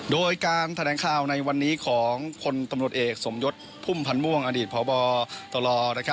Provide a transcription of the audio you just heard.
โดยการแถลงข่าวในวันนี้ของพลตำรวจเอกสมยศพุ่มพันธ์ม่วงอดีตพบตล